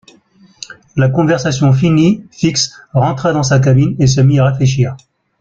La conversation finie, Fix rentra dans sa cabine et se mit à réfléchir.